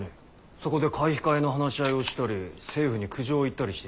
そこで買い控えの話し合いをしたり政府に苦情を言ったりしていた。